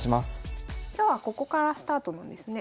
今日はここからスタートなんですね。